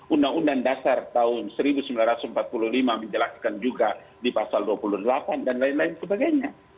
undang undang dasar tahun seribu sembilan ratus empat puluh lima menjelaskan juga di pasal dua puluh delapan dan lain lain sebagainya